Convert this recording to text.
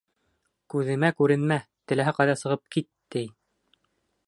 Күҙемә күренмә, теләһә ҡайҙа сығып кит, ти.